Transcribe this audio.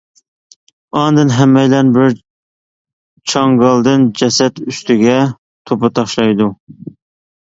ئاندىن ھەممەيلەن بىر چاڭگالدىن جەسەت ئۈستىگە توپا تاشلايدۇ.